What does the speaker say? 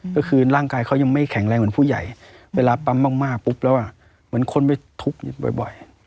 ก็คือร่างกายเขายังไม่แข็งแรงเหมือนผู้ใหญ่เวลาปั๊มมากปุ๊บแล้วเหมือนคนไปทุบอยู่บ่อย